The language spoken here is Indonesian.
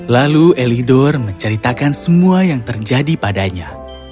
lalu elidor menceritakan semua yang terjadi padanya